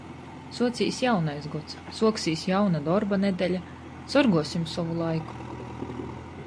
Suocīs jaunais gods... suoksīs jauna dorba nedeļa... sorguosim sovu laiku...